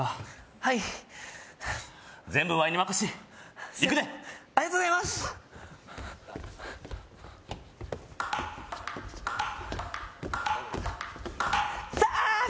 はい全部わいに任しいくでありがとうございますさぁ！